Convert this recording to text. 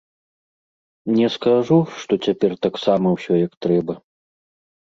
Не скажу, што цяпер таксама ўсё як трэба.